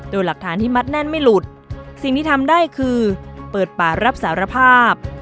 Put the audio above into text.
โดยหลักฐานที่มัดแน่นไม่หลุดสิ่งที่ทำได้คือเปิดป่ารับสารภาพ